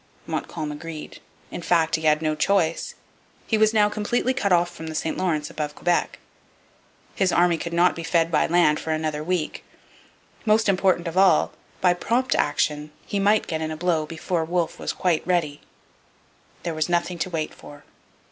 Montcalm agreed. In fact, he had no choice. He was now completely cut off from the St Lawrence above Quebec. His army could not be fed by land for another week. Most important of all, by prompt action he might get in a blow before Wolfe was quite ready. There was nothing to wait for.